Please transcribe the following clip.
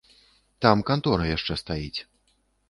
Там кантора яшчэ стаіць.